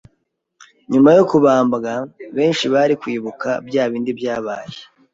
Nyuma yo kubambwa, benshi bari kwibuka bya bindi byabaye